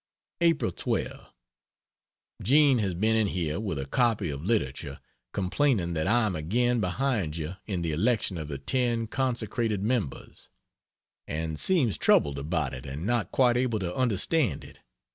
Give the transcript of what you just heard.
April 12. Jean has been in here with a copy of Literature, complaining that I am again behind you in the election of the 10 consecrated members; and seems troubled about it and not quite able to understand it.